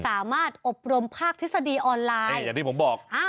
สามารถอบรมภาคทฤษฎีออนไลน์อย่างที่ผมบอกอ่า